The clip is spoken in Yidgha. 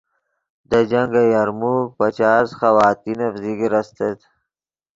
دے جنگ یرموک پچاس خواتینف ذکر استت